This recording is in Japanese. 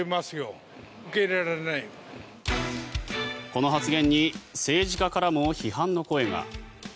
この発言に政治家からも批判の声が。